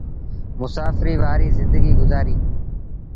مسآڦريٚ وآريٚ زندگيٚ گزآريٚ۔